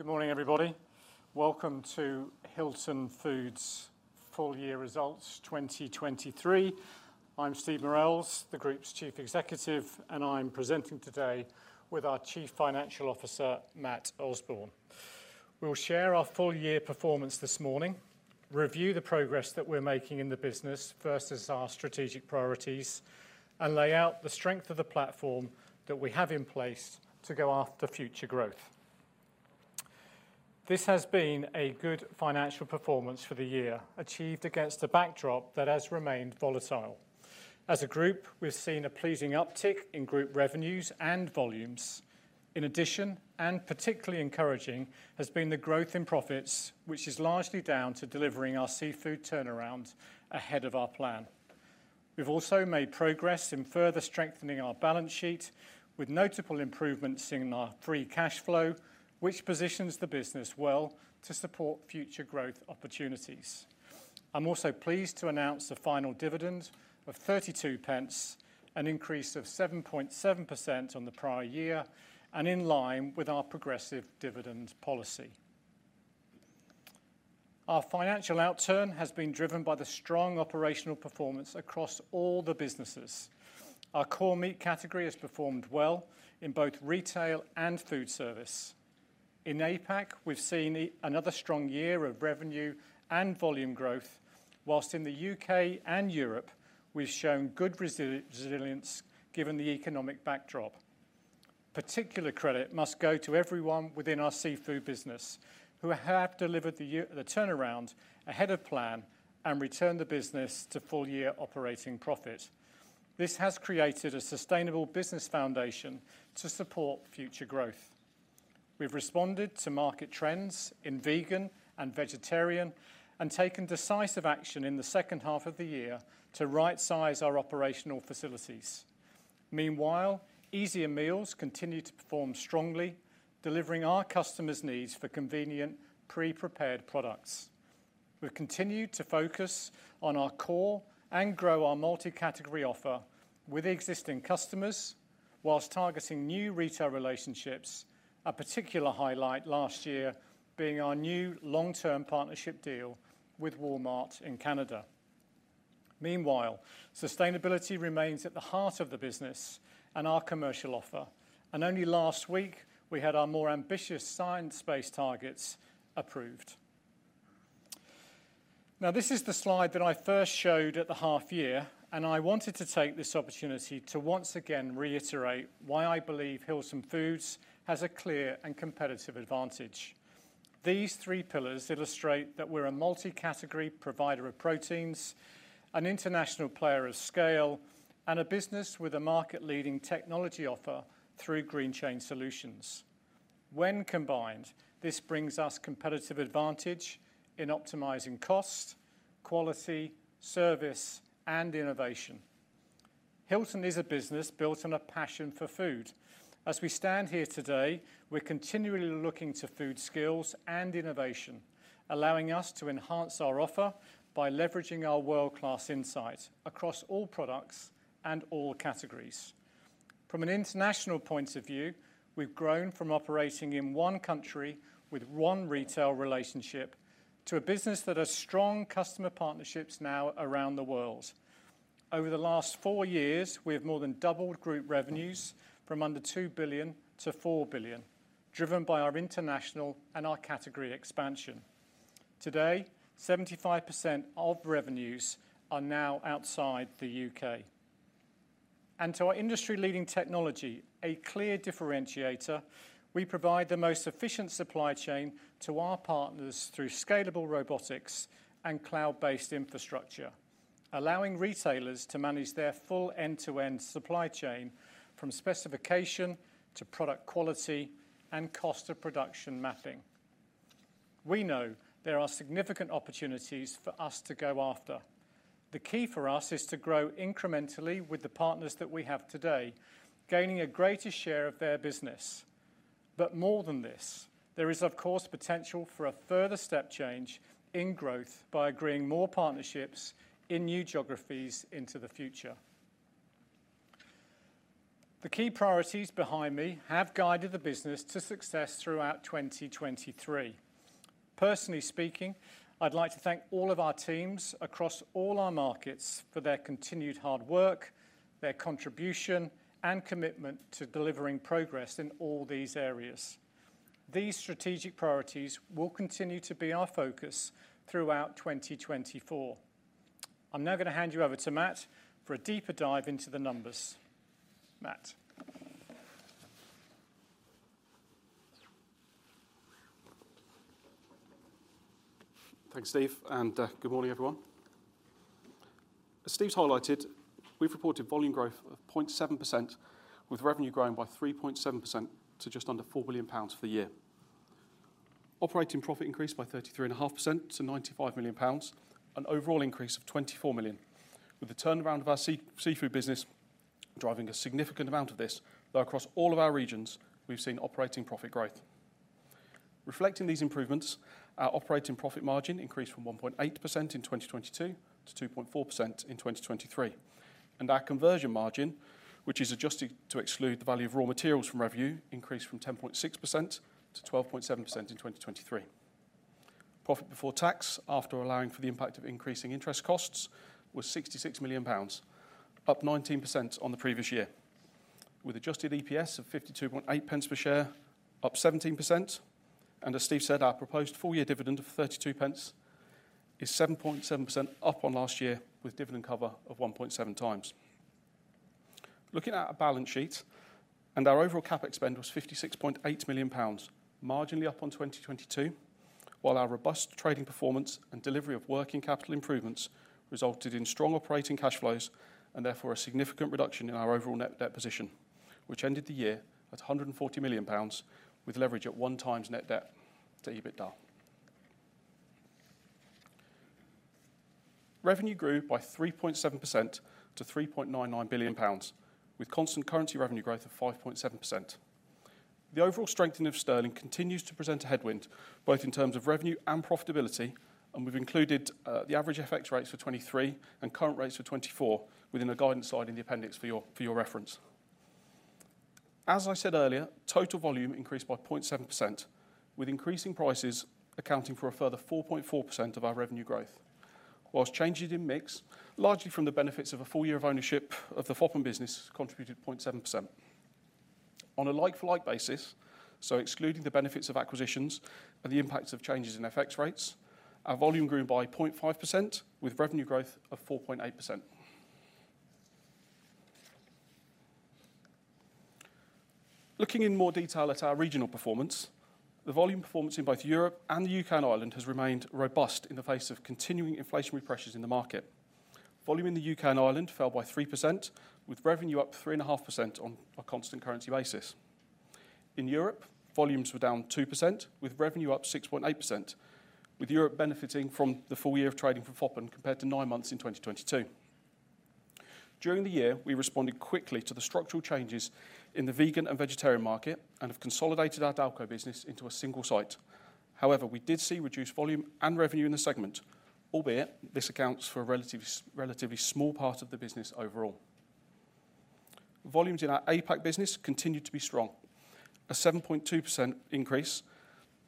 Good morning, everybody. Welcome to Hilton Foods' full year results 2023. I'm Steve Murrells, the Group's Chief Executive, and I'm presenting today with our Chief Financial Officer, Matt Osborne. We'll share our full year performance this morning, review the progress that we're making in the business versus our strategic priorities, and lay out the strength of the platform that we have in place to go after future growth. This has been a good financial performance for the year, achieved against a backdrop that has remained volatile. As a group, we've seen a pleasing uptick in group revenues and volumes. In addition, and particularly encouraging, has been the growth in profits, which is largely down to delivering our seafood turnaround ahead of our plan. We've also made progress in further strengthening our balance sheet, with notable improvements in our free cash flow, which positions the business well to support future growth opportunities. I'm also pleased to announce the final dividend of 0.32, an increase of 7.7% on the prior year, and in line with our progressive dividend policy. Our financial outturn has been driven by the strong operational performance across all the businesses. Our core meat category has performed well in both retail and foodservice. In APAC, we've seen another strong year of revenue and volume growth, while in the U.K. and Europe, we've shown good resilience given the economic backdrop. Particular credit must go to everyone within our Seafood business who have delivered the turnaround ahead of plan and returned the business to full year operating profit. This has created a sustainable business foundation to support future growth. We've responded to market trends in vegan and vegetarian and taken decisive action in the second half of the year to right-size our operational facilities. Meanwhile, Easier Meals continue to perform strongly, delivering our customers' needs for convenient, pre-prepared products. We've continued to focus on our core and grow our multi-category offer with existing customers, whilst targeting new retail relationships, a particular highlight last year being our new long-term partnership deal with Walmart in Canada. Meanwhile, sustainability remains at the heart of the business and our commercial offer, and only last week we had our more ambitious science-based targets approved. Now, this is the slide that I first showed at the half year, and I wanted to take this opportunity to once again reiterate why I believe Hilton Foods has a clear and competitive advantage. These three pillars illustrate that we're a multi-category provider of proteins, an international player of scale, and a business with a market-leading technology offer through Greenchain Solutions. When combined, this brings us competitive advantage in optimizing cost, quality, service, and innovation. Hilton is a business built on a passion for food. As we stand here today, we're continually looking to food skills and innovation, allowing us to enhance our offer by leveraging our world-class insight across all products and all categories. From an international point of view, we've grown from operating in one country with one retail relationship to a business that has strong customer partnerships now around the world. Over the last four years, we have more than doubled group revenues from under 2 billion to 4 billion, driven by our international and our category expansion. Today, 75% of revenues are now outside the U.K. To our industry-leading technology, a clear differentiator, we provide the most efficient supply chain to our partners through scalable robotics and cloud-based infrastructure, allowing retailers to manage their full end-to-end supply chain from specification to product quality and cost of production mapping. We know there are significant opportunities for us to go after. The key for us is to grow incrementally with the partners that we have today, gaining a greater share of their business. But more than this, there is, of course, potential for a further step change in growth by agreeing more partnerships in new geographies into the future. The key priorities behind me have guided the business to success throughout 2023. Personally speaking, I'd like to thank all of our teams across all our markets for their continued hard work, their contribution, and commitment to delivering progress in all these areas. These strategic priorities will continue to be our focus throughout 2024. I'm now going to hand you over to Matt for a deeper dive into the numbers. Matt. Thanks, Steve, and good morning, everyone. As Steve highlighted, we've reported volume growth of 0.7%, with revenue growing by 3.7% to just under 4 billion pounds for the year. Operating profit increased by 33.5% to 95 million pounds, an overall increase of 24 million, with the turnaround of our Seafood business driving a significant amount of this, though across all of our regions, we've seen operating profit growth. Reflecting these improvements, our operating profit margin increased from 1.8% in 2022 to 2.4% in 2023, and our conversion margin, which is adjusted to exclude the value of raw materials from revenue, increased from 10.6% to 12.7% in 2023. Profit before tax, after allowing for the impact of increasing interest costs, was 66 million pounds, up 19% on the previous year, with adjusted EPS of 0.52 per share, up 17%, and, as Steve said, our proposed full year dividend of 0.32 is 7.7% up on last year, with dividend cover of 1.7x. Looking at our balance sheet, our overall CapEx spend was 56.8 million pounds, marginally up on 2022, while our robust trading performance and delivery of working capital improvements resulted in strong operating cash flows and therefore a significant reduction in our overall net debt position, which ended the year at 140 million pounds, with leverage at 1x net debt to EBITDA. Revenue grew by 3.7% to 3.99 billion pounds, with constant currency revenue growth of 5.7%. The overall strengthening of sterling continues to present a headwind, both in terms of revenue and profitability, and we've included the average FX rates for 2023 and current rates for 2024 within a guidance slide in the appendix for your reference. As I said earlier, total volume increased by 0.7%, with increasing prices accounting for a further 4.4% of our revenue growth, while changes in mix, largely from the benefits of a full year of ownership of the Foppen business, contributed 0.7%. On a like-for-like basis, so excluding the benefits of acquisitions and the impacts of changes in FX rates, our volume grew by 0.5%, with revenue growth of 4.8%. Looking in more detail at our regional performance, the volume performance in both Europe and the U.K. and Ireland has remained robust in the face of continuing inflationary pressures in the market. Volume in the U.K. and Ireland fell by 3%, with revenue up 3.5% on a constant currency basis. In Europe, volumes were down 2%, with revenue up 6.8%, with Europe benefiting from the full year of trading from Foppen compared to nine months in 2022. During the year, we responded quickly to the structural changes in the vegan and vegetarian market and have consolidated our Dalco business into a single site. However, we did see reduced volume and revenue in the segment, albeit this accounts for a relatively small part of the business overall. Volumes in our APAC business continued to be strong, a 7.2% increase,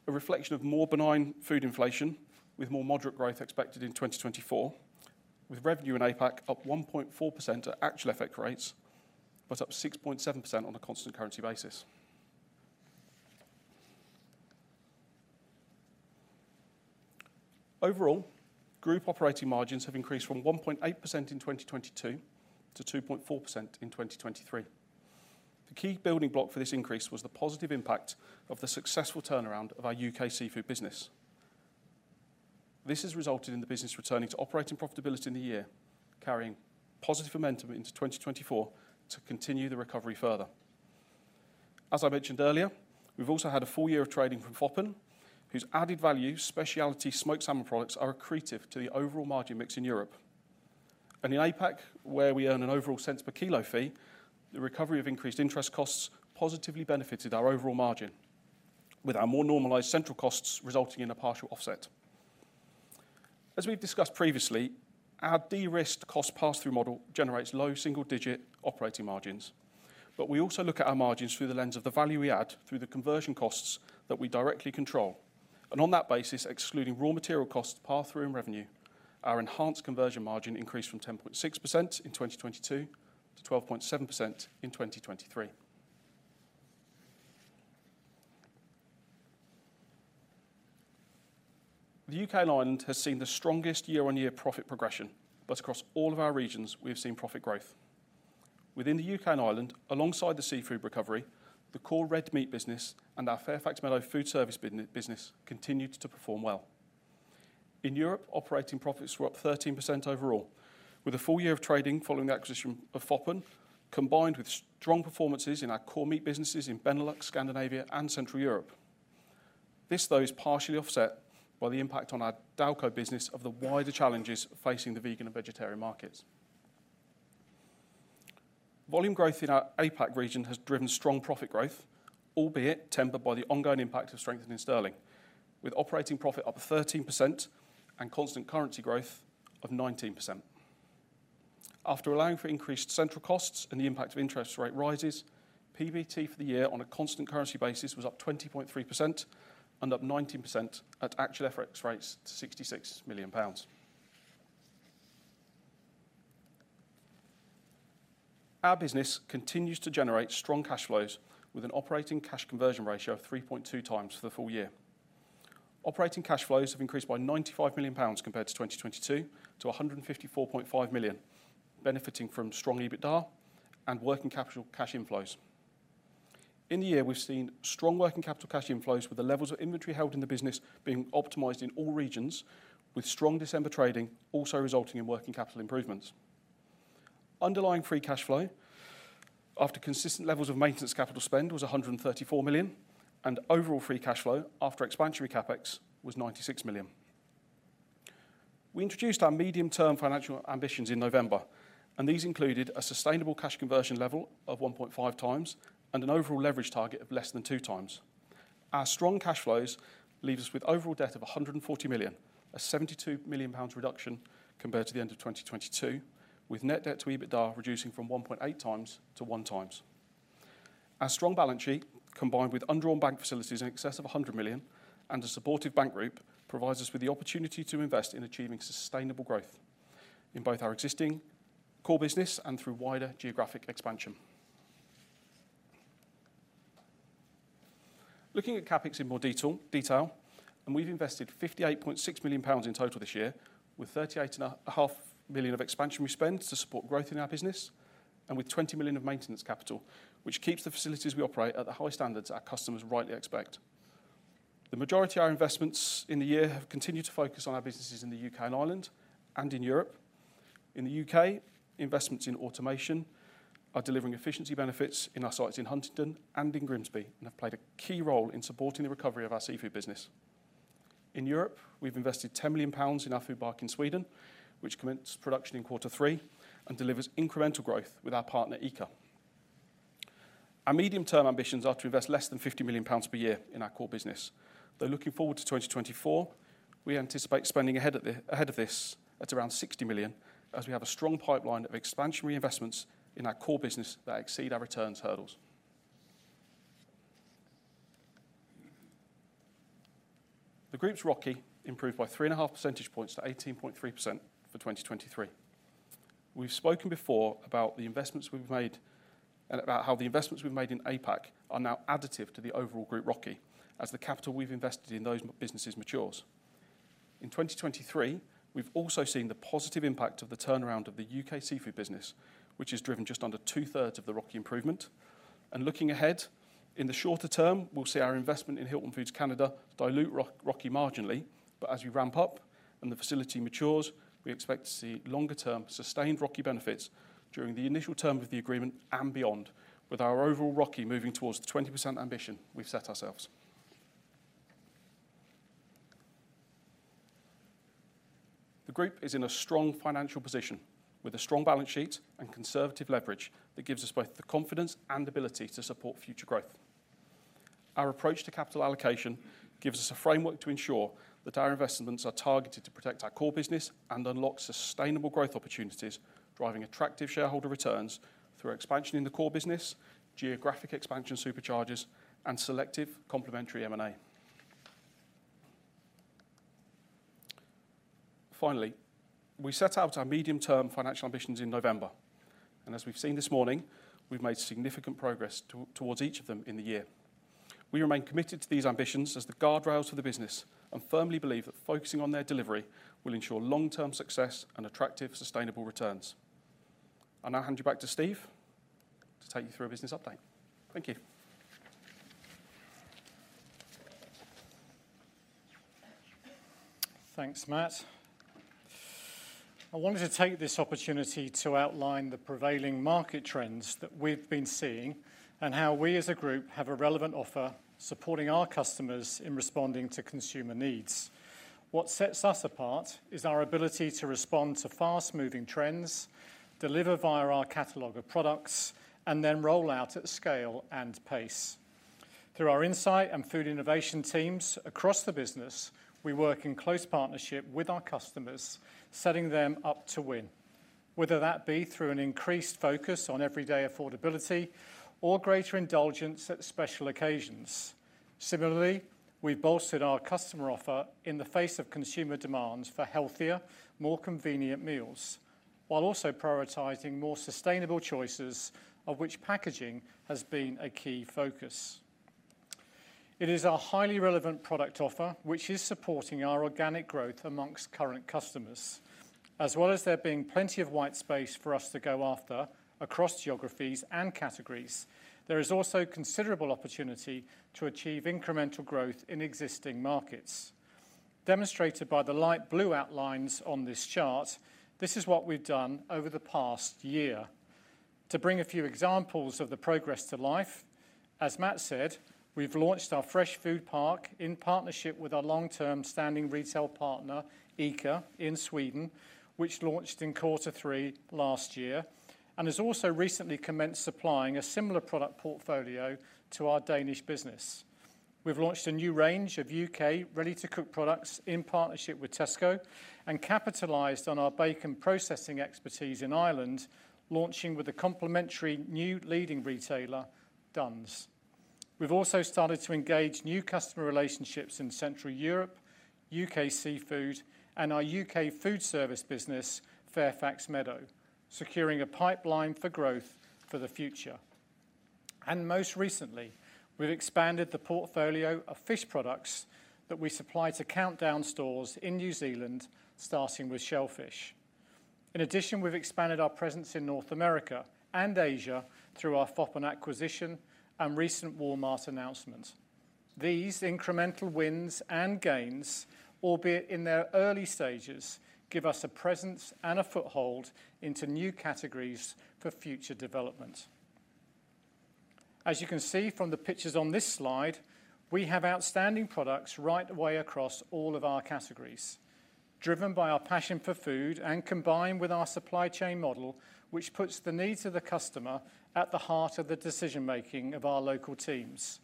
a reflection of more benign food inflation, with more moderate growth expected in 2024, with revenue in APAC up 1.4% at actual FX rates, but up 6.7% on a constant currency basis. Overall, group operating margins have increased from 1.8% in 2022 to 2.4% in 2023. The key building block for this increase was the positive impact of the successful turnaround of our U.K. Seafood business. This has resulted in the business returning to operating profitability in the year, carrying positive momentum into 2024 to continue the recovery further. As I mentioned earlier, we've also had a full year of trading from Foppen, whose added value, specialty, smoked salmon products are accretive to the overall margin mix in Europe. And in APAC, where we earn an overall cents per kilo fee, the recovery of increased interest costs positively benefited our overall margin, with our more normalized central costs resulting in a partial offset. As we've discussed previously, our de-risked cost pass-through model generates low single-digit operating margins, but we also look at our margins through the lens of the value we add through the conversion costs that we directly control. On that basis, excluding raw material costs pass-through and revenue, our enhanced conversion margin increased from 10.6% in 2022 to 12.7% in 2023. The U.K. and Ireland have seen the strongest year-on-year profit progression, but across all of our regions, we have seen profit growth. Within the U.K. and Ireland, alongside the seafood recovery, the core red meat business and our Fairfax Meadow Foodservice business continued to perform well. In Europe, operating profits were up 13% overall, with a full year of trading following the acquisition of Foppen, combined with strong performances in our core meat businesses in Benelux, Scandinavia, and Central Europe. This, though, is partially offset by the impact on our Dalco business of the wider challenges facing the vegan and vegetarian markets. Volume growth in our APAC region has driven strong profit growth, albeit tempered by the ongoing impact of strengthening sterling, with operating profit up 13% and constant currency growth of 19%. After allowing for increased central costs and the impact of interest rate rises, PBT for the year on a constant currency basis was up 20.3% and up 19% at actual exchange rates to 66 million pounds. Our business continues to generate strong cash flows with an operating cash conversion ratio of 3.2x for the full year. Operating cash flows have increased by 95 million pounds compared to 2022 to 154.5 million, benefiting from strong EBITDA and working capital cash inflows. In the year, we've seen strong working capital cash inflows, with the levels of inventory held in the business being optimized in all regions, with strong December trading also resulting in working capital improvements. Underlying free cash flow after consistent levels of maintenance capital spend was 134 million, and overall free cash flow after expansionary CapEx was 96 million. We introduced our medium-term financial ambitions in November, and these included a sustainable cash conversion level of 1.5x and an overall leverage target of less than 2x. Our strong cash flows leave us with overall debt of 140 million, a 72 million pounds reduction compared to the end of 2022, with net debt to EBITDA reducing from 1.8x to 1x. Our strong balance sheet, combined with undrawn bank facilities in excess of 100 million and a supportive bank group, provides us with the opportunity to invest in achieving sustainable growth in both our existing core business and through wider geographic expansion. Looking at CapEx in more detail, and we've invested 58.6 million pounds in total this year, with 38.5 million of expansionary spend to support growth in our business and with 20 million of maintenance capital, which keeps the facilities we operate at the high standards our customers rightly expect. The majority of our investments in the year have continued to focus on our businesses in the U.K. and Ireland and in Europe. In the U.K., investments in automation are delivering efficiency benefits in our sites in Huntingdon and in Grimsby, and have played a key role in supporting the recovery of our Seafood business. In Europe, we've invested 10 million pounds in our food park in Sweden, which commenced production in Q3 and delivers incremental growth with our partner ICA. Our medium-term ambitions are to invest less than 50 million pounds per year in our core business, though looking forward to 2024, we anticipate spending ahead of this at around 60 million, as we have a strong pipeline of expansionary investments in our core business that exceed our returns hurdles. The group's ROCE improved by 3.5 percentage points to 18.3% for 2023. We've spoken before about the investments we've made and about how the investments we've made in APAC are now additive to the overall group ROCE as the capital we've invested in those businesses matures. In 2023, we've also seen the positive impact of the turnaround of the U.K. Seafood business, which has driven just under 2/3 of the ROCE improvement. Looking ahead, in the shorter term, we'll see our investment in Hilton Foods Canada dilute ROCE marginally, but as we ramp up and the facility matures, we expect to see longer-term sustained ROCE benefits during the initial term of the agreement and beyond, with our overall ROCE moving towards the 20% ambition we've set ourselves. The group is in a strong financial position with a strong balance sheet and conservative leverage that gives us both the confidence and ability to support future growth. Our approach to capital allocation gives us a framework to ensure that our investments are targeted to protect our core business and unlock sustainable growth opportunities, driving attractive shareholder returns through expansion in the core business, geographic expansion supercharges, and selective complementary M&A. Finally, we set out our medium-term financial ambitions in November, and as we've seen this morning, we've made significant progress towards each of them in the year. We remain committed to these ambitions as the guardrails for the business and firmly believe that focusing on their delivery will ensure long-term success and attractive, sustainable returns. I'll now hand you back to Steve to take you through a business update. Thank you. Thanks, Matt. I wanted to take this opportunity to outline the prevailing market trends that we've been seeing and how we, as a group, have a relevant offer supporting our customers in responding to consumer needs. What sets us apart is our ability to respond to fast-moving trends, deliver via our catalogue of products, and then roll out at scale and pace. Through our insight and food innovation teams across the business, we work in close partnership with our customers, setting them up to win, whether that be through an increased focus on everyday affordability or greater indulgence at special occasions. Similarly, we've bolstered our customer offer in the face of consumer demands for healthier, more convenient meals, while also prioritizing more sustainabl`e choices, of which packaging has been a key focus. It is our highly relevant product offer which is supporting our organic growth amongst current customers. As well as there being plenty of white space for us to go after across geographies and categories, there is also considerable opportunity to achieve incremental growth in existing markets. Demonstrated by the light blue outlines on this chart, this is what we've done over the past year. To bring a few examples of the progress to life, as Matt said, we've launched our fresh food park in partnership with our long-term standing retail partner, ICA, in Sweden, which launched in Q3 last year and has also recently commenced supplying a similar product portfolio to our Danish business. We've launched a new range of U.K. ready-to-cook products in partnership with Tesco and capitalized on our bacon processing expertise in Ireland, launching with a complementary new leading retailer, Dunnes. We've also started to engage new customer relationships in Central Europe, U.K. seafood, and our U.K. Foodservice business, Fairfax Meadow, securing a pipeline for growth for the future. And most recently, we've expanded the portfolio of fish products that we supply to Countdown stores in New Zealand, starting with shellfish. In addition, we've expanded our presence in North America and Asia through our Foppen acquisition and recent Walmart announcement. These incremental wins and gains, albeit in their early stages, give us a presence and a foothold into new categories for future development. As you can see from the pictures on this slide, we have outstanding products right away across all of our categories, driven by our passion for food and combined with our supply chain model, which puts the needs of the customer at the heart of the decision-making of our local teams.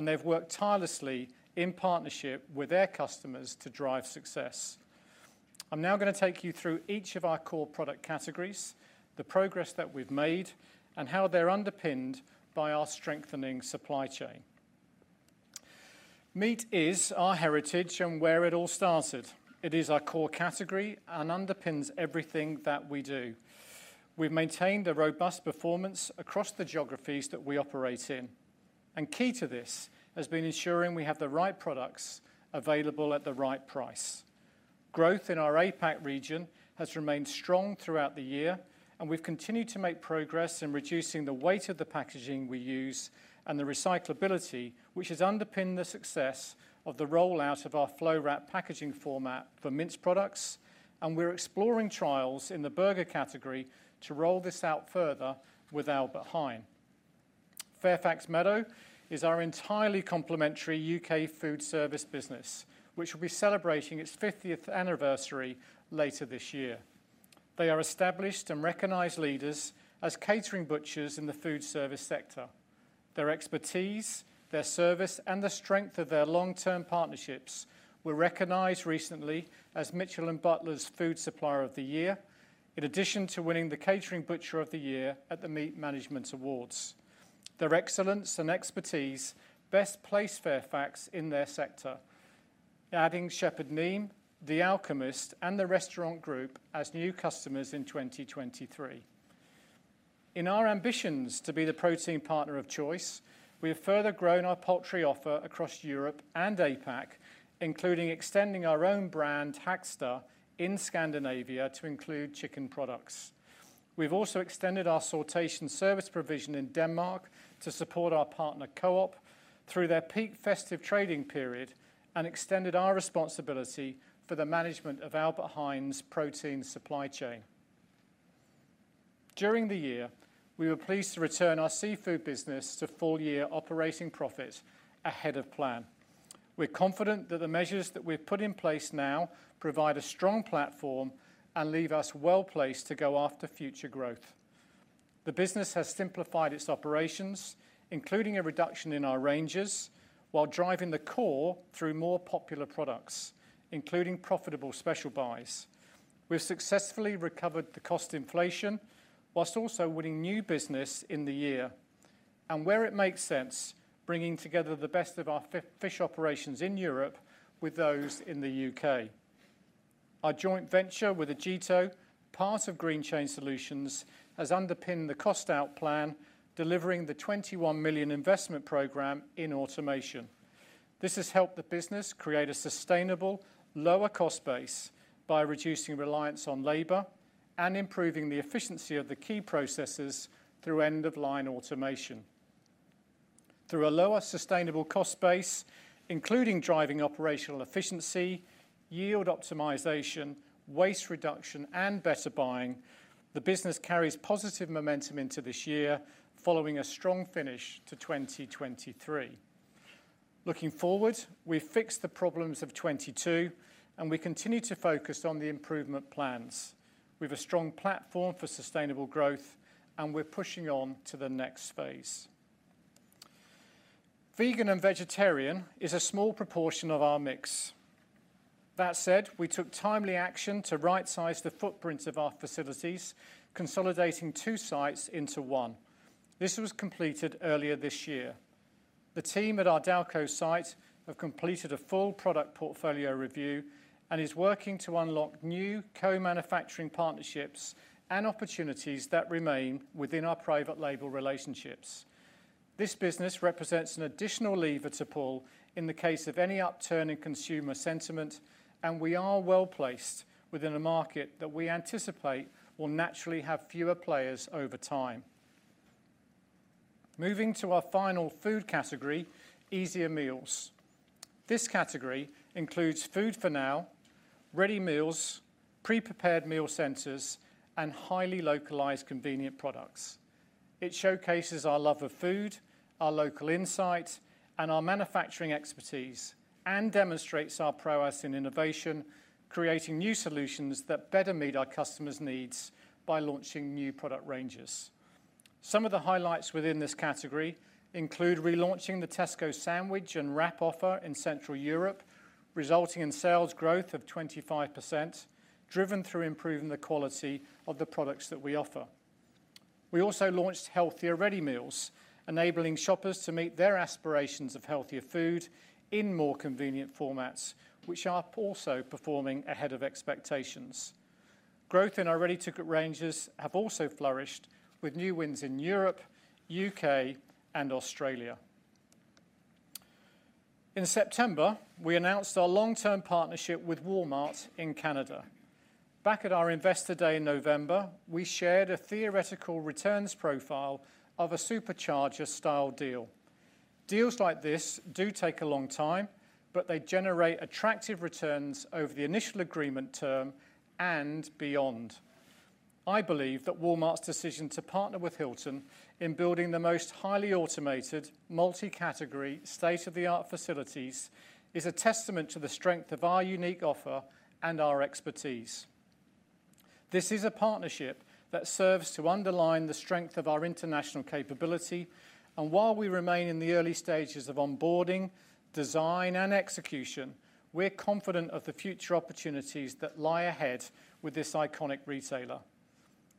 They've worked tirelessly in partnership with their customers to drive success. I'm now going to take you through each of our core product categories, the progress that we've made, and how they're underpinned by our strengthening supply chain. Meat is our heritage and where it all started. It is our core category and underpins everything that we do. We've maintained a robust performance across the geographies that we operate in. Key to this has been ensuring we have the right products available at the right price. Growth in our APAC region has remained strong throughout the year, and we've continued to make progress in reducing the weight of the packaging we use and the recyclability, which has underpinned the success of the rollout of our flow wrap packaging format for minced products. We're exploring trials in the burger category to roll this out further without behind. Fairfax Meadow is our entirely complementary U.K. Foodservice business, which will be celebrating its 50th anniversary later this year. They are established and recognized leaders as catering butchers in the Foodservice sector. Their expertise, their service, and the strength of their long-term partnerships were recognized recently as Mitchells & Butlers Food Supplier of the Year, in addition to winning the Catering Butcher of the Year at the Meat Management Awards. Their excellence and expertise best place Fairfax in their sector, adding Shepherd Neame, The Alchemist, and The Restaurant Group as new customers in 2023. In our ambitions to be the protein partner of choice, we have further grown our poultry offer across Europe and APAC, including extending our own brand, Baxter, in Scandinavia to include chicken products. We've also extended our sortation service provision in Denmark to support our partner Co-op through their peak festive trading period and extended our responsibility for the management of Albert Heijn's protein supply chain. During the year, we were pleased to return our Seafood business to full-year operating profit ahead of plan. We're confident that the measures that we've put in place now provide a strong platform and leave us well placed to go after future growth. The business has simplified its operations, including a reduction in our ranges, while driving the core through more popular products, including profitable special buys. We've successfully recovered the cost inflation whilst also winning new business in the year. And where it makes sense, bringing together the best of our fish operations in Europe with those in the U.K. Our joint venture with Agito, part of Greenchain Solutions, has underpinned the cost out plan, delivering the 21 million investment program in automation. This has helped the business create a sustainable, lower cost base by reducing reliance on labor and improving the efficiency of the key processes through end-of-line automation. Through a lower sustainable cost base, including driving operational efficiency, yield optimization, waste reduction, and better buying, the business carries positive momentum into this year, following a strong finish to 2023. Looking forward, we've fixed the problems of 2022, and we continue to focus on the improvement plans. We have a strong platform for sustainable growth, and we're pushing on to the next phase. Vegan and vegetarian is a small proportion of our mix. That said, we took timely action to right-size the footprint of our facilities, consolidating two sites into one. This was completed earlier this year. The team at our Dalco site have completed a full product portfolio review and is working to unlock new co-manufacturing partnerships and opportunities that remain within our private label relationships. This business represents an additional lever to pull in the case of any upturn in consumer sentiment, and we are well placed within a market that we anticipate will naturally have fewer players over time. Moving to our final food category, Easier Meals. This category includes food for now, ready meals, pre-prepared meal centers, and highly localized convenient products. It showcases our love of food, our local insight, and our manufacturing expertise, and demonstrates our prowess in innovation, creating new solutions that better meet our customers' needs by launching new product ranges. Some of the highlights within this category include relaunching the Tesco sandwich and wrap offer in Central Europe, resulting in sales growth of 25%, driven through improving the quality of the products that we offer. We also launched healthier ready meals, enabling shoppers to meet their aspirations of healthier food in more convenient formats, which are also performing ahead of expectations. Growth in our ready-to-cook ranges has also flourished with new wins in Europe, U.K., and Australia. In September, we announced our long-term partnership with Walmart in Canada. Back at our investor day in November, we shared a theoretical returns profile of a supercharger-style deal. Deals like this do take a long time, but they generate attractive returns over the initial agreement term and beyond. I believe that Walmart's decision to partner with Hilton in building the most highly automated, multi-category, state-of-the-art facilities is a testament to the strength of our unique offer and our expertise. This is a partnership that serves to underline the strength of our international capability. While we remain in the early stages of onboarding, design, and execution, we're confident of the future opportunities that lie ahead with this iconic retailer.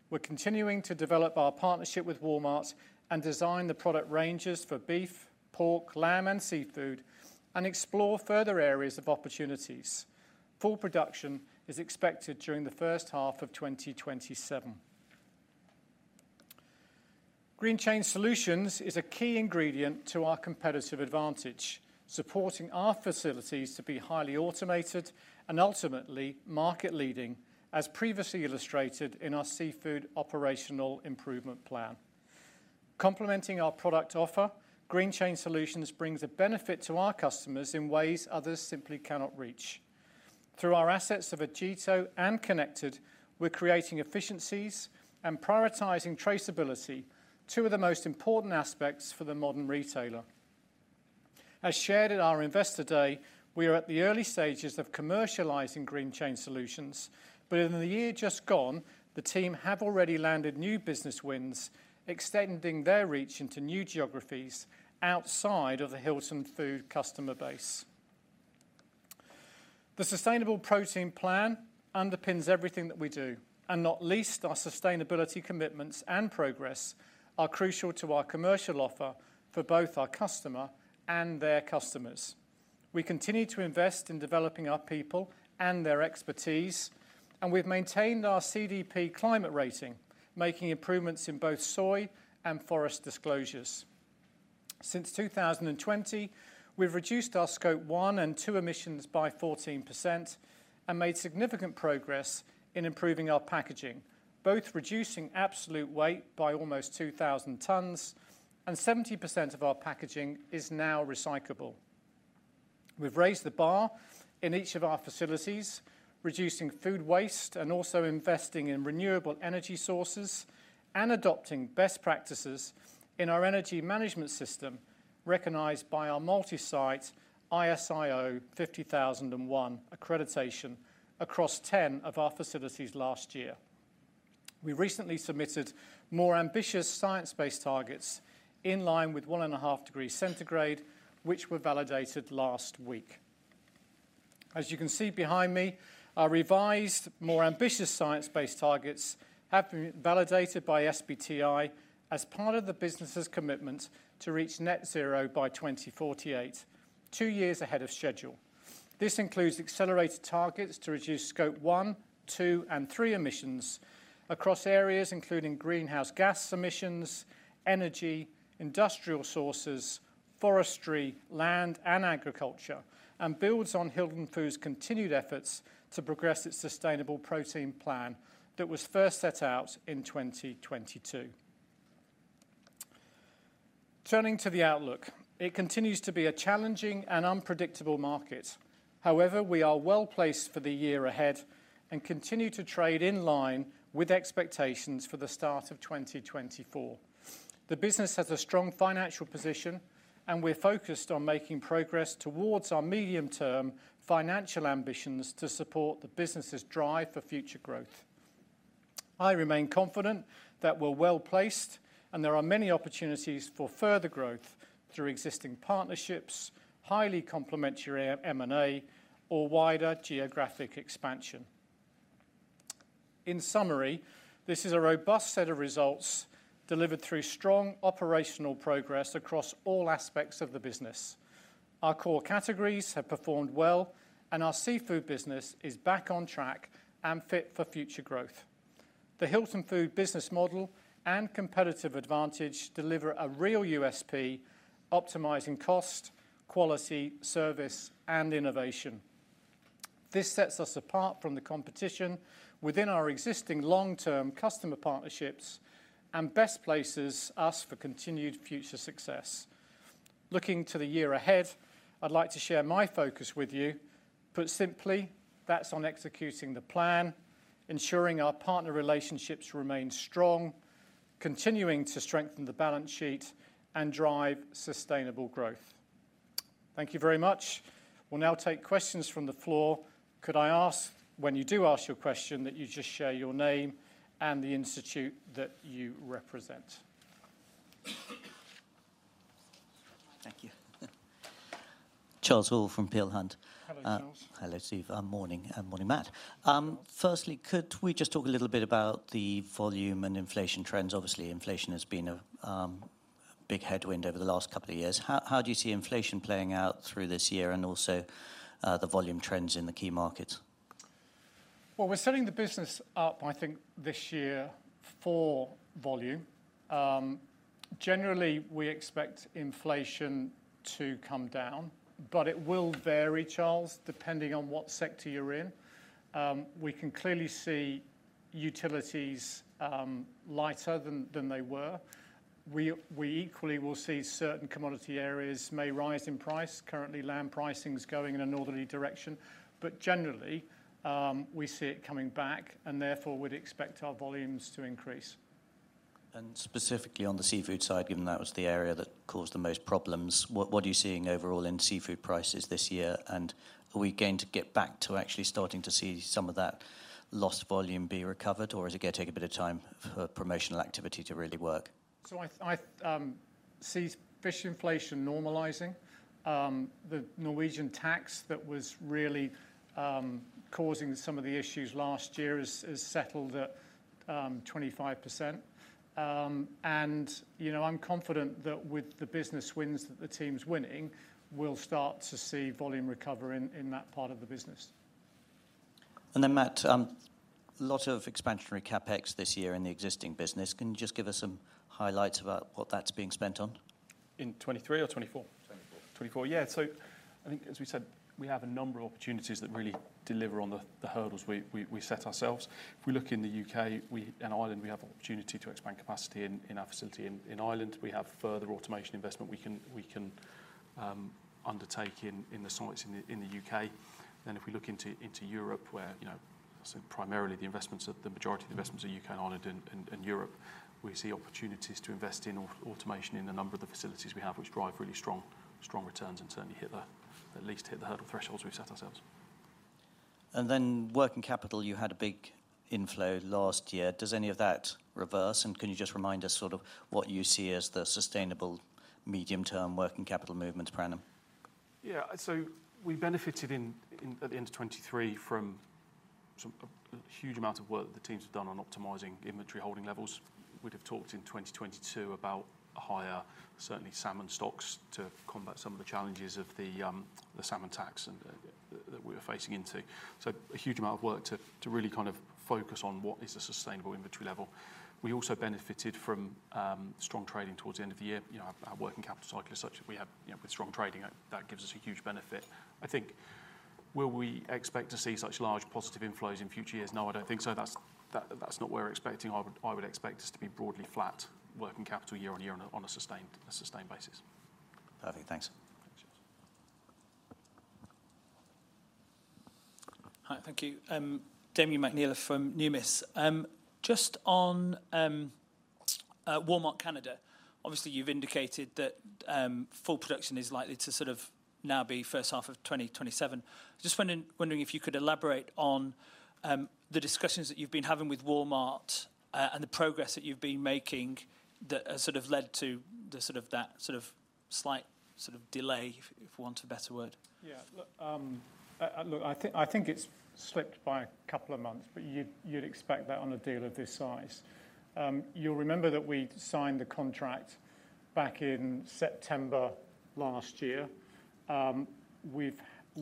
We're continuing to develop our partnership with Walmart and design the product ranges for beef, pork, lamb, and seafood, and explore further areas of opportunities. Full production is expected during the first half of 2027. Greenchain Solutions is a key ingredient to our competitive advantage, supporting our facilities to be highly automated and ultimately market-leading, as previously illustrated in our seafood operational improvement plan. Complementing our product offer, Greenchain Solutions brings a benefit to our customers in ways others simply cannot reach. Through our assets of Agito and Foods Connected, we're creating efficiencies and prioritizing traceability, two of the most important aspects for the modern retailer. As shared at our investor day, we are at the early stages of commercializing Greenchain Solutions. But in the year just gone, the team have already landed new business wins, extending their reach into new geographies outside of the Hilton Foods customer base. The sustainable protein plan underpins everything that we do. Not least, our sustainability commitments and progress are crucial to our commercial offer for both our customer and their customers. We continue to invest in developing our people and their expertise. We've maintained our CDP climate rating, making improvements in both soy and forest disclosures. Since 2020, we've reduced our Scope 1 and 2 emissions by 14% and made significant progress in improving our packaging, both reducing absolute weight by almost 2,000 tons. 70% of our packaging is now recyclable. We've raised the bar in each of our facilities, reducing food waste and also investing in renewable energy sources, and adopting best practices in our energy management system, recognized by our multi-site ISO 50001 accreditation across 10 of our facilities last year. We recently submitted more ambitious science-based targets in line with 1.5 °C, which were validated last week. As you can see behind me, our revised, more ambitious science-based targets have been validated by SBTi as part of the business's commitment to reach net zero by 2048, two years ahead of schedule. This includes accelerated targets to reduce Scope 1, 2, and 3 emissions across areas including greenhouse gas emissions, energy, industrial sources, forestry, land, and agriculture. It builds on Hilton Foods' continued efforts to progress its sustainable protein plan that was first set out in 2022. Turning to the outlook, it continues to be a challenging and unpredictable market. However, we are well placed for the year ahead and continue to trade in line with expectations for the start of 2024. The business has a strong financial position, and we're focused on making progress towards our medium-term financial ambitions to support the business's drive for future growth. I remain confident that we're well placed, and there are many opportunities for further growth through existing partnerships, highly complementary M&A, or wider geographic expansion. In summary, this is a robust set of results delivered through strong operational progress across all aspects of the business. Our core categories have performed well, and our Seafood business is back on track and fit for future growth. The Hilton Foods business model and competitive advantage deliver a real USP, optimizing cost, quality, service, and innovation. This sets us apart from the competition within our existing long-term customer partnerships and best places us for continued future success. Looking to the year ahead, I'd like to share my focus with you. But simply, that's on executing the plan, ensuring our partner relationships remain strong, continuing to strengthen the balance sheet, and drive sustainable growth. Thank you very much. We'll now take questions from the floor. Could I ask, when you do ask your question, that you just share your name and the institute that you represent? Thank you. Charles Hall from Peel Hunt. Hello, Charles. Hello Steve, morning, and morning Matt. Firstly, could we just talk a little bit about the volume and inflation trends? Obviously, inflation has been a big headwind over the last couple of years. How do you see inflation playing out through this year and also the volume trends in the key markets? Well, we're setting the business up, I think, this year for volume. Generally, we expect inflation to come down. But it will vary, Charles, depending on what sector you're in. We can clearly see utilities lighter than they were. We equally will see certain commodity areas may rise in price. Currently, lamb pricing's going in a northerly direction. But generally, we see it coming back, and therefore we'd expect our volumes to increase. Specifically on the seafood side, given that was the area that caused the most problems, what are you seeing overall in seafood prices this year? And are we going to get back to actually starting to see some of that lost volume be recovered? Or is it going to take a bit of time for promotional activity to really work? I see fish inflation normalizing. The Norwegian tax that was really causing some of the issues last year has settled at 25%. I'm confident that with the business wins that the team's winning, we'll start to see volume recover in that part of the business. And then, Matt, a lot of expansionary CapEx this year in the existing business. Can you just give us some highlights about what that's being spent on? In 2023 or 2024? 2024. 2024, yeah. So I think, as we said, we have a number of opportunities that really deliver on the hurdles we set ourselves. If we look in the U.K. and Ireland, we have opportunity to expand capacity in our facility. In Ireland, we have further automation investment we can undertake in the sites in the U.K. Then if we look into Europe, where primarily the investments, the majority of the investments are U.K. and Ireland and Europe, we see opportunities to invest in automation in a number of the facilities we have, which drive really strong returns and certainly hit the, at least hit the hurdle thresholds we've set ourselves. Then working capital, you had a big inflow last year. Does any of that reverse? Can you just remind us sort of what you see as the sustainable, medium-term working capital movement p.a.? Yeah. So we benefited at the end of 2023 from a huge amount of work that the teams have done on optimizing inventory holding levels. We'd have talked in 2022 about higher, certainly, salmon stocks to combat some of the challenges of the salmon tax that we were facing into. So a huge amount of work to really kind of focus on what is a sustainable inventory level. We also benefited from strong trading towards the end of the year. Our working capital cycle is such that we have, with strong trading, that gives us a huge benefit. I think, will we expect to see such large positive inflows in future years? No, I don't think so. That's not what we're expecting. I would expect us to be broadly flat working capital year on year on a sustained basis. Perfect. Thanks. Thanks, Charles. Hi, thank you. Damian McNeela from Numis. Just on Walmart Canada, obviously, you've indicated that full production is likely to sort of now be first half of 2027. I was just wondering if you could elaborate on the discussions that you've been having with Walmart and the progress that you've been making that has sort of led to the sort of that sort of slight sort of delay, if we want a better word. Yeah. Look, I think it's slipped by a couple of months, but you'd expect that on a deal of this size. You'll remember that we signed the contract back in September last year.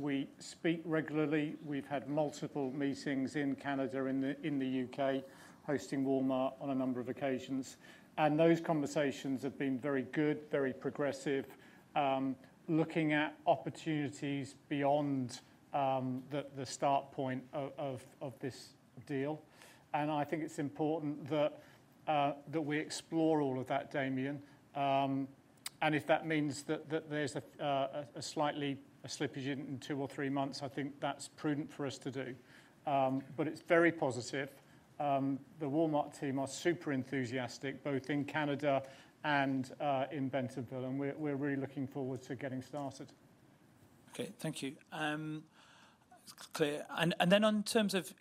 We speak regularly. We've had multiple meetings in Canada, in the U.K., hosting Walmart on a number of occasions. And those conversations have been very good, very progressive, looking at opportunities beyond the start point of this deal. And I think it's important that we explore all of that, Damien. And if that means that there's a slight slippage in two or three months, I think that's prudent for us to do. But it's very positive. The Walmart team are super enthusiastic, both in Canada and in Bentonville. And we're really looking forward to getting started. Okay. Thank you. Clear. And then in terms of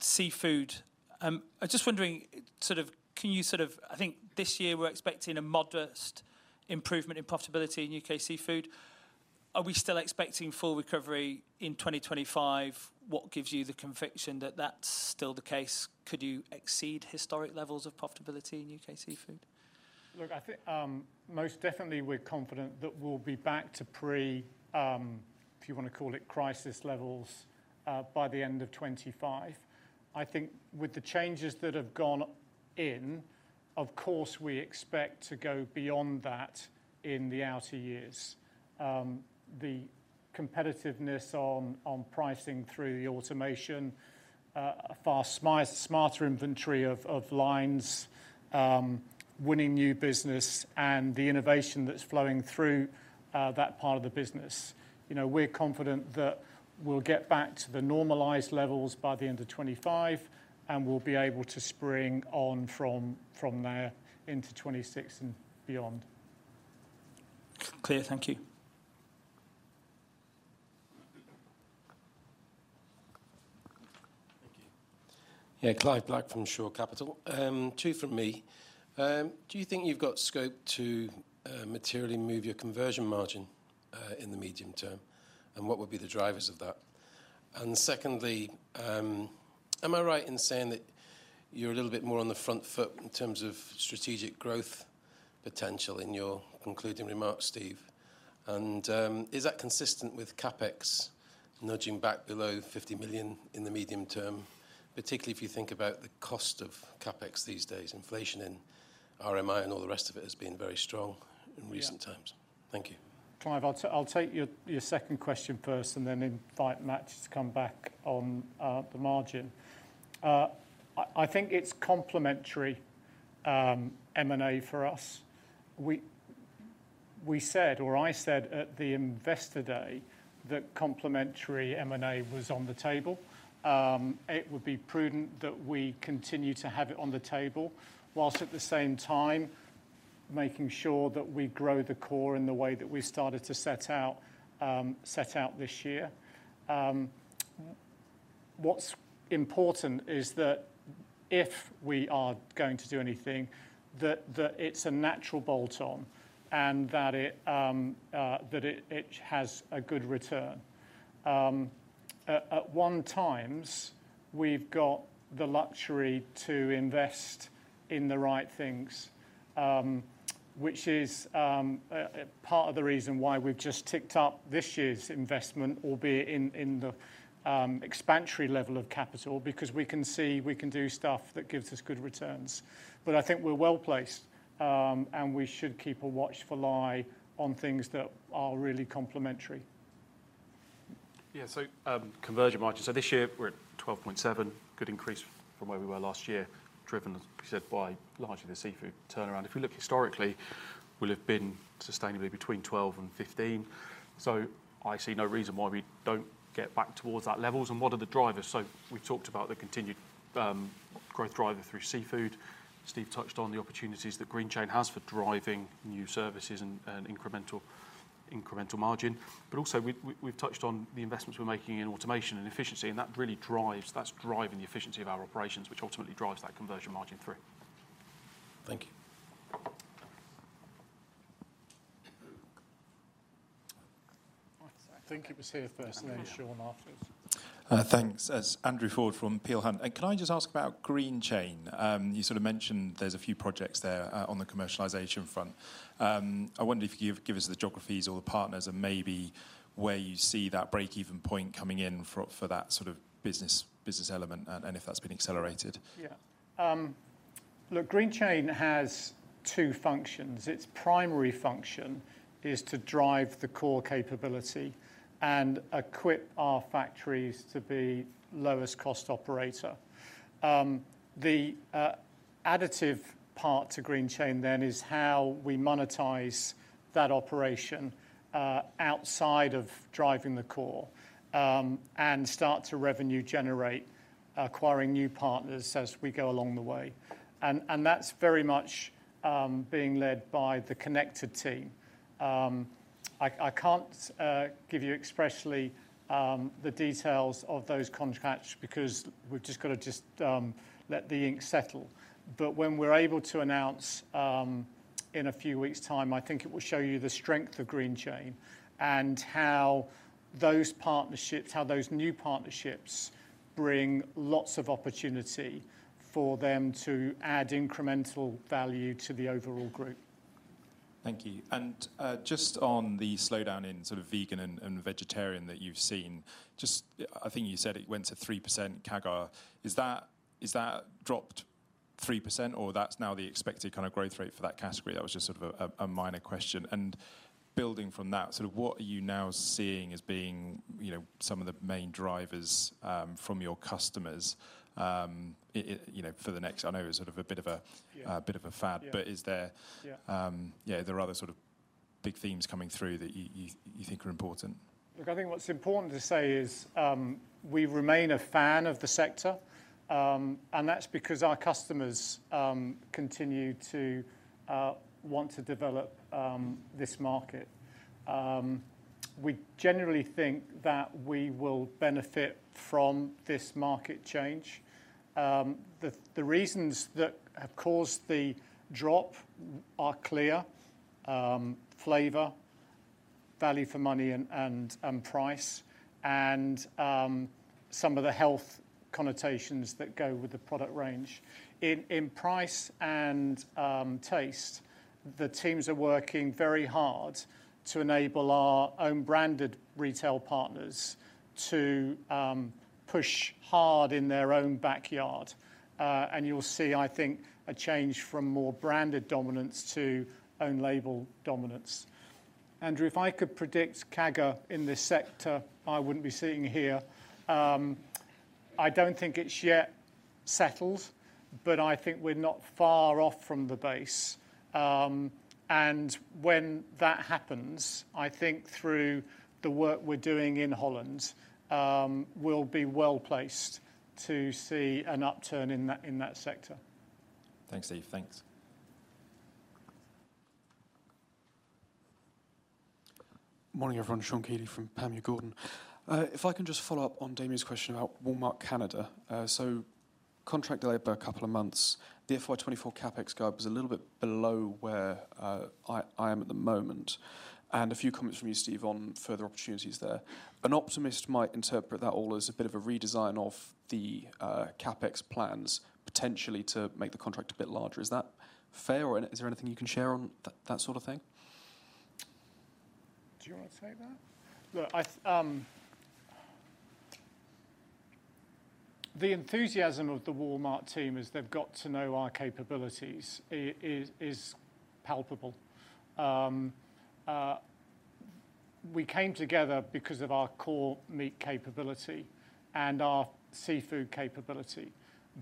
seafood, I'm just wondering, sort of can you sort of I think this year we're expecting a modest improvement in profitability in U.K. seafood. Are we still expecting full recovery in 2025? What gives you the conviction that that's still the case? Could you exceed historic levels of profitability in U.K. seafood? Look, I think most definitely we're confident that we'll be back to pre, if you want to call it, crisis levels by the end of 2025. I think with the changes that have gone in, of course, we expect to go beyond that in the outer years. The competitiveness on pricing through the automation, a far smarter inventory of lines, winning new business, and the innovation that's flowing through that part of the business. We're confident that we'll get back to the normalized levels by the end of 2025, and we'll be able to spring on from there into 2026 and beyond. Clear. Thank you. Thank you. Yeah. Clive Black from Shore Capital. Two from me. Do you think you've got scope to materially move your conversion margin in the medium term? And what would be the drivers of that? And secondly, am I right in saying that you're a little bit more on the front foot in terms of strategic growth potential in your concluding remarks, Steve? And is that consistent with CapEx nudging back below 50 million in the medium term? Particularly if you think about the cost of CapEx these days. Inflation in RMI and all the rest of it has been very strong in recent times. Thank you. Clive, I'll take your second question first and then invite Matt to come back on the margin. I think it's complementary M&A for us. We said, or I said at the investor day, that complementary M&A was on the table. It would be prudent that we continue to have it on the table whilst at the same time making sure that we grow the core in the way that we started to set out this year. What's important is that if we are going to do anything, that it's a natural bolt-on and that it has a good return. At 1x, we've got the luxury to invest in the right things, which is part of the reason why we've just ticked up this year's investment, albeit in the expansionary level of capital, because we can see we can do stuff that gives us good returns. But I think we're well placed, and we should keep a watchful eye on things that are really complementary. Yeah. So conversion margin. So this year we're at 12.7%, good increase from where we were last year, driven, as you said, by largely the seafood turnaround. If we look historically, we'll have been sustainably between 12% and 15%. So I see no reason why we don't get back towards that levels. And what are the drivers? So we've talked about the continued growth driver through seafood. Steve touched on the opportunities that green chain has for driving new services and incremental margin. But also, we've touched on the investments we're making in automation and efficiency. And that's driving the efficiency of our operations, which ultimately drives that conversion margin through. Thank you. I think it was here first, and then Sean afterwards. Thanks. It's Andrew Ford from Peel Hunt. Can I just ask about green chain? You sort of mentioned there's a few projects there on the commercialization front. I wondered if you could give us the geographies or the partners and maybe where you see that break-even point coming in for that sort of business element and if that's been accelerated? Yeah. Look, green chain has two functions. Its primary function is to drive the core capability and equip our factories to be lowest-cost operator. The additive part to green chain, then, is how we monetize that operation outside of driving the core and start to revenue-generate, acquiring new partners as we go along the way. And that's very much being led by the connected team. I can't give you expressly the details of those contracts because we've just got to just let the ink settle. But when we're able to announce in a few weeks' time, I think it will show you the strength of green chain and how those partnerships, how those new partnerships bring lots of opportunity for them to add incremental value to the overall group. Thank you. And just on the slowdown in sort of vegan and vegetarian that you've seen, I think you said it went to 3% CAGR. Is that dropped 3%, or that's now the expected kind of growth rate for that category? That was just sort of a minor question. And building from that, sort of what are you now seeing as being some of the main drivers from your customers for the next I know it was sort of a bit of a fad, but is there other sort of big themes coming through that you think are important? Look, I think what's important to say is we remain a fan of the sector. That's because our customers continue to want to develop this market. We generally think that we will benefit from this market change. The reasons that have caused the drop are clear: flavor, value for money and price, and some of the health connotations that go with the product range. In price and taste, the teams are working very hard to enable our own branded retail partners to push hard in their own backyard. You'll see, I think, a change from more branded dominance to own-label dominance. Andrew, if I could predict CAGR in this sector, I wouldn't be sitting here. I don't think it's yet settled, but I think we're not far off from the base. When that happens, I think through the work we're doing in Holland, we'll be well placed to see an upturn in that sector. Thanks, Steve. Thanks. Morning, everyone. Sean Kealy from Panmure Gordon. If I can just follow up on Damian's question about Walmart Canada. So contract delayed by a couple of months. The FY24 CapEx guide was a little bit below where I am at the moment. And a few comments from you, Steve, on further opportunities there. An optimist might interpret that all as a bit of a redesign of the CapEx plans, potentially to make the contract a bit larger. Is that fair? Or is there anything you can share on that sort of thing? Do you want to say that? Look, the enthusiasm of the Walmart team as they've got to know our capabilities is palpable. We came together because of our core meat capability and our seafood capability.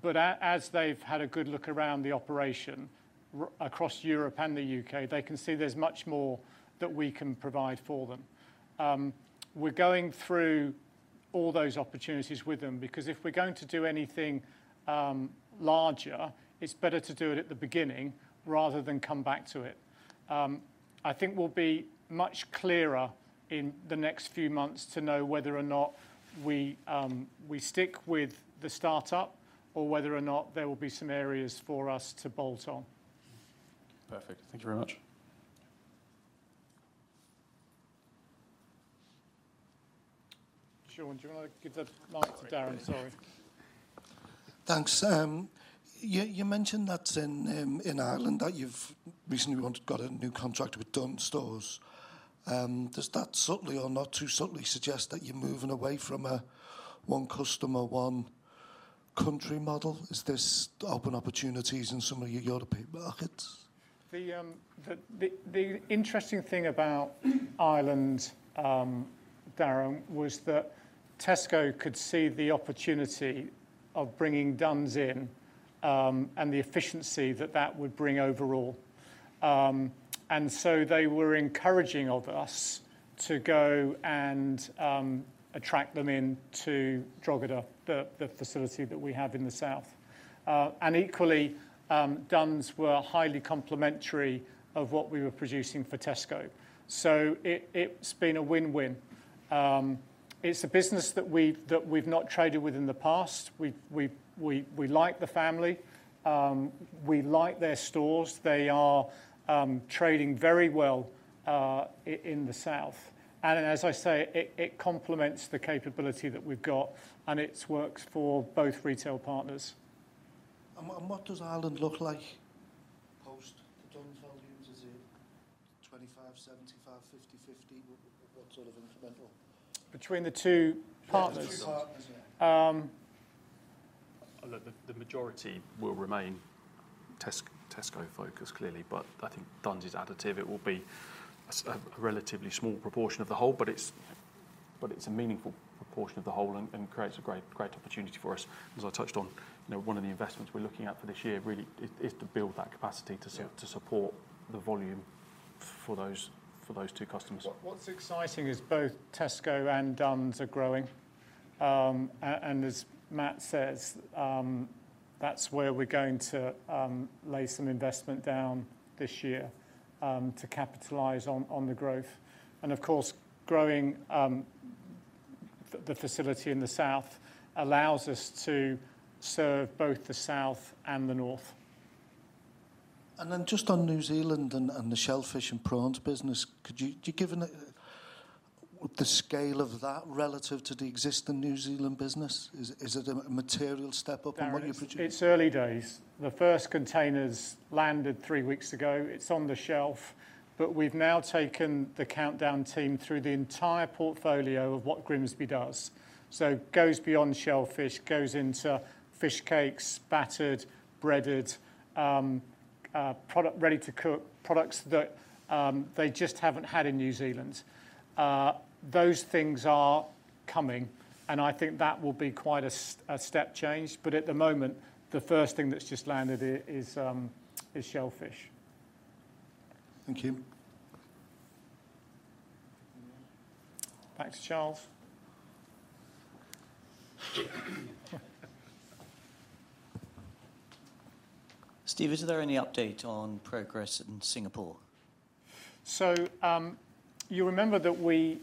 But as they've had a good look around the operation across Europe and the U.K., they can see there's much more that we can provide for them. We're going through all those opportunities with them. Because if we're going to do anything larger, it's better to do it at the beginning rather than come back to it. I think we'll be much clearer in the next few months to know whether or not we stick with the startup or whether or not there will be some areas for us to bolt on. Perfect. Thank you very much. Sean, do you want to give the mic to Darren? Sorry. Thanks. You mentioned that in Ireland that you've recently got a new contract with Dunnes Stores. Does that subtly or not too subtly suggest that you're moving away from a one-customer, one-country model? Is this open opportunities in some of your European markets? The interesting thing about Ireland, Darren, was that Tesco could see the opportunity of bringing Dunnes in and the efficiency that that would bring overall. So they were encouraging of us to go and attract them into Drogheda, the facility that we have in the south. Equally, Dunnes were highly complementary of what we were producing for Tesco. So it's been a win-win. It's a business that we've not traded with in the past. We like the family. We like their stores. They are trading very well in the south. As I say, it complements the capability that we've got. And it works for both retail partners. What does Ireland look like post the Dunnes volumes? Is it 25/75, 50/50? What sort of incremental? Between the two partners. Between the two partners, yeah. Look, the majority will remain Tesco-focused, clearly. But I think Dunnes is additive. It will be a relatively small proportion of the whole. But it's a meaningful proportion of the whole and creates a great opportunity for us. As I touched on, one of the investments we're looking at for this year really is to build that capacity to support the volume for those two customers. What's exciting is both Tesco and Dunnes are growing. As Matt says, that's where we're going to lay some investment down this year to capitalize on the growth. Of course, growing the facility in the south allows us to serve both the south and the north. Just on New Zealand and the shellfish and prawns business, could you give the scale of that relative to the existing New Zealand business? Is it a material step up on what you're producing? It's early days. The first containers landed three weeks ago. It's on the shelf. But we've now taken the Countdown team through the entire portfolio of what Grimsby does. So goes beyond shellfish, goes into fish cakes, battered, breaded, ready-to-cook products that they just haven't had in New Zealand. Those things are coming. And I think that will be quite a step change. But at the moment, the first thing that's just landed is shellfish. Thank you. Back to Charles. Steve, is there any update on progress in Singapore? So you remember that we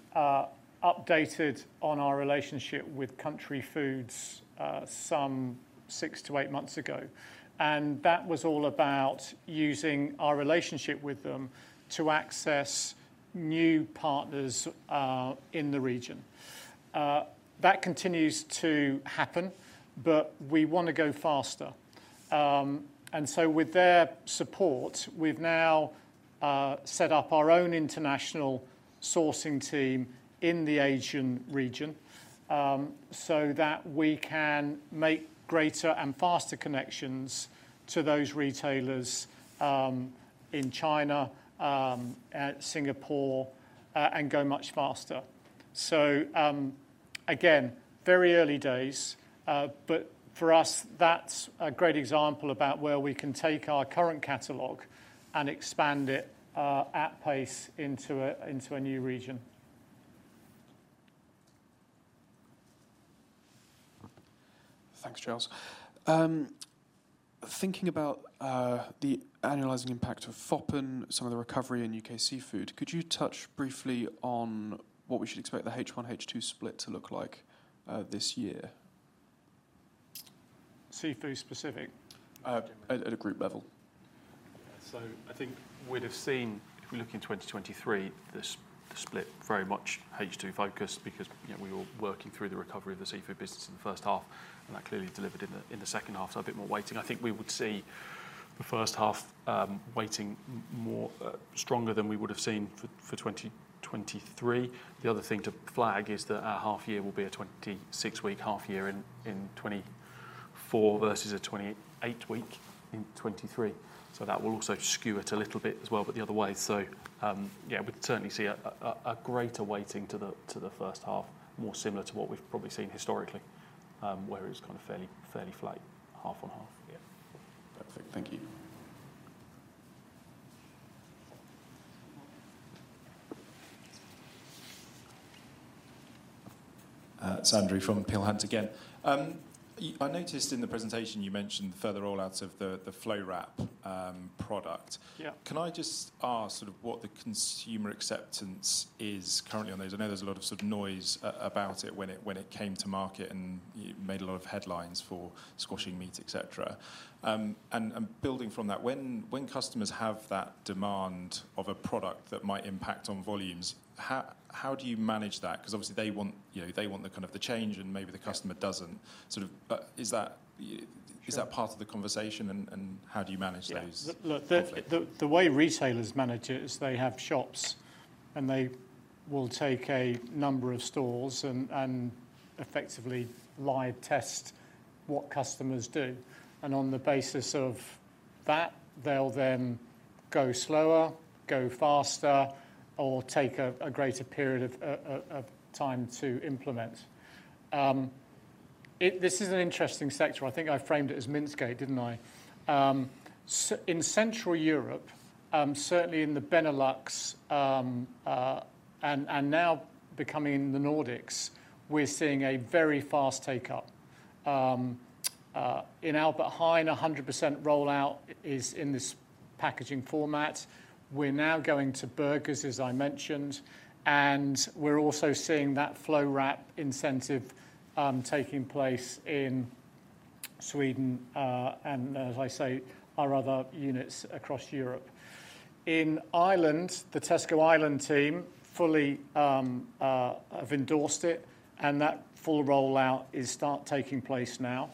updated on our relationship with Country Foods some 6-8 months ago. And that was all about using our relationship with them to access new partners in the region. That continues to happen. But we want to go faster. And so with their support, we've now set up our own international sourcing team in the Asian region so that we can make greater and faster connections to those retailers in China, Singapore, and go much faster. So again, very early days. But for us, that's a great example about where we can take our current catalogue and expand it at pace into a new region. Thanks, Charles. Thinking about the annualizing impact of Foppen, some of the recovery in U.K. seafood, could you touch briefly on what we should expect the H1, H2 split to look like this year? Seafood-specific? At a group level. So I think we'd have seen, if we look in 2023, the split very much H2-focused because we were working through the recovery of the Seafood business in the first half. And that clearly delivered in the second half. So a bit more weighting. I think we would see the first half weighting stronger than we would have seen for 2023. The other thing to flag is that our half-year will be a 26-week half-year in 2024 versus a 28-week in 2023. So that will also skew it a little bit as well but the other way. So yeah, we'd certainly see a greater weighting to the first half, more similar to what we've probably seen historically, where it was kind of fairly flat, half on half. Yeah. Perfect. Thank you. It's Andrew from Peel Hunt again. I noticed in the presentation you mentioned the further rollout of the flow wrap product. Can I just ask sort of what the consumer acceptance is currently on those? I know there's a lot of sort of noise about it when it came to market and made a lot of headlines for squashing meat, etc. And building from that, when customers have that demand of a product that might impact on volumes, how do you manage that? Because obviously, they want the kind of the change and maybe the customer doesn't. But is that part of the conversation? And how do you manage those conflicts? Yeah. Look, the way retailers manage it is they have shops. They will take a number of stores and effectively live-test what customers do. And on the basis of that, they'll then go slower, go faster, or take a greater period of time to implement. This is an interesting sector. I think I framed it as minced steak, didn't I? In Central Europe, certainly in the Benelux and now becoming in the Nordics, we're seeing a very fast take-up. In Albert Heijn, 100% rollout is in this packaging format. We're now going to burgers, as I mentioned. And we're also seeing that flow wrap incentive taking place in Sweden and, as I say, our other units across Europe. In Ireland, the Tesco Ireland team fully have endorsed it. And that full rollout is starting to take place now.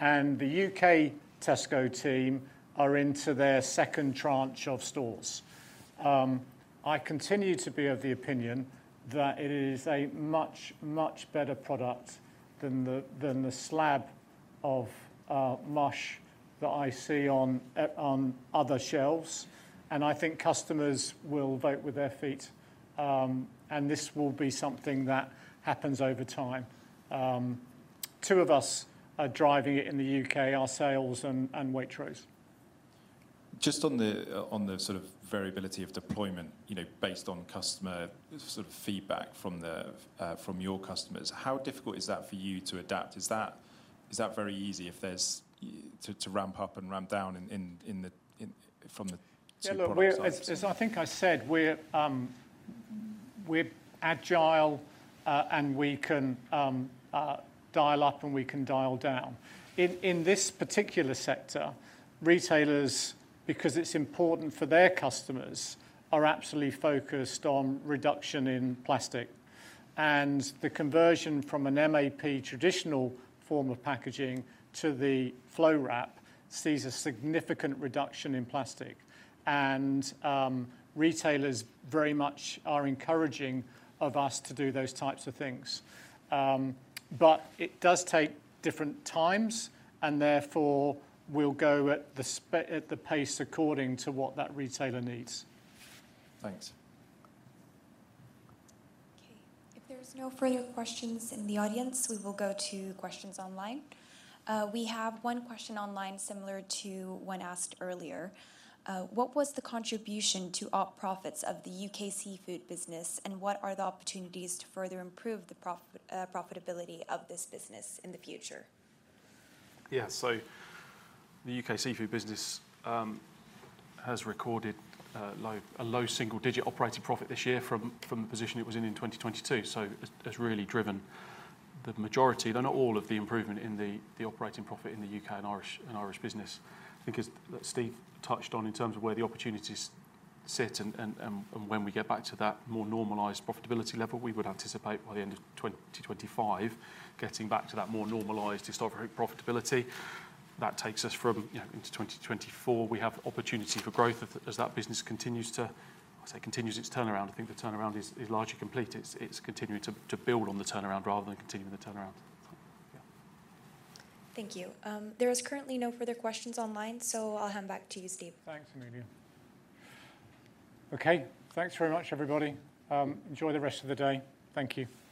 And the U.K. Tesco team are into their second tranche of stores. I continue to be of the opinion that it is a much, much better product than the slab of mush that I see on other shelves. And I think customers will vote with their feet. And this will be something that happens over time. Tesco and Waitrose are driving it in the U.K. Just on the sort of variability of deployment based on customer sort of feedback from your customers, how difficult is that for you to adapt? Is that very easy to ramp up and ramp down from the two products out there? Yeah. Look, as I think I said, we're agile. We can dial up. We can dial down. In this particular sector, retailers, because it's important for their customers, are absolutely focused on reduction in plastic. The conversion from an MAP, traditional form of packaging, to the flow wrap sees a significant reduction in plastic. Retailers very much are encouraging of us to do those types of things. But it does take different times. Therefore, we'll go at the pace according to what that retailer needs. Thanks. Okay. If there's no further questions in the audience, we will go to questions online. We have one question online similar to one asked earlier. What was the contribution to op profits of the U.K. Seafood business? And what are the opportunities to further improve the profitability of this business in the future? Yeah. So the U.K. Seafood business has recorded a low single-digit operating profit this year from the position it was in in 2022. So it's really driven the majority, though not all, of the improvement in the operating profit in the U.K. and Irish business. I think, as Steve touched on, in terms of where the opportunities sit and when we get back to that more normalized profitability level, we would anticipate by the end of 2025 getting back to that more normalized historic profitability. That takes us into 2024. We have opportunity for growth as that business continues to I say continues its turnaround. I think the turnaround is largely complete. It's continuing to build on the turnaround rather than continuing the turnaround. Yeah. Thank you. There is currently no further questions online. So I'll hand back to you, Steve. Thanks, Amelia. Okay. Thanks very much, everybody. Enjoy the rest of the day. Thank you. Thanks all.